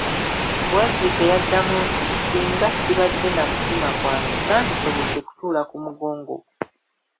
Wazzike yaddamu nti, singa sibadde na mutima gwange ssandisobodde kutuula ku mugongo gwo.